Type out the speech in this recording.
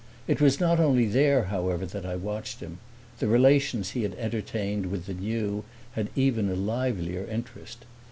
It was not only there, however, that I watched him; the relations he had entertained with the new had even a livelier interest.